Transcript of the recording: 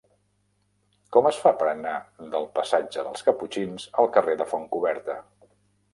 Com es fa per anar del passatge dels Caputxins al carrer de Fontcoberta?